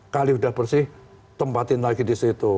kali sudah bersih tempatin lagi di situ